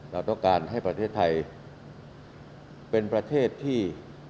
เราต้องการให้ประเทศไทยเป็นประเทศที่